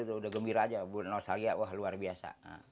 itu udah gembira aja bu nostalgia wah luar biasa